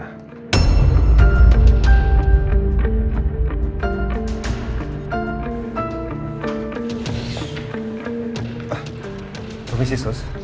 ah apa misi sos